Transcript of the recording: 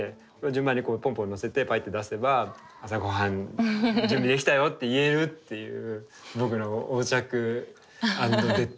順番にこうポンポンのせてポイッて出せば「朝ごはん準備できたよ」って言えるっていう。